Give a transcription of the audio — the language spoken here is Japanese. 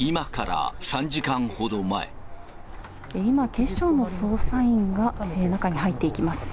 今、警視庁の捜査員が中に入っていきます。